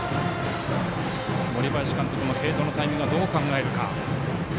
森林監督も継投のタイミングはどう考えるか。